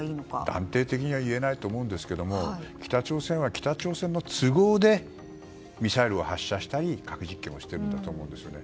断定的には言えないと思うんですけど北朝鮮は北朝鮮の都合でミサイルを発射したり核実験をしているんだと思いますね。